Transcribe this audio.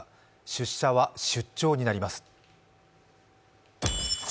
出社は出張になります。